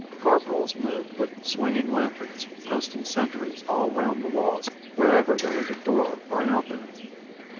Corporals moved with swinging lanterns posting sentries all round the walls wherever there was a door or an opening.